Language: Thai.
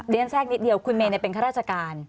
เรียนแทรกนิดเดียวคุณเมนเนี่ยเป็นคราชการ